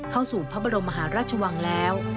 เข้าสู่พระบรมมหาราชวังแล้ว